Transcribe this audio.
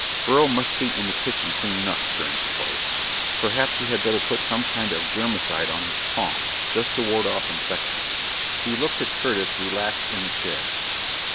Beryl must be in the kitchen cleaning up, Stern supposed. Perhaps he had better put some kind of germicide on his palm, just to ward off infection. He looked at Curtis relaxed in the chair.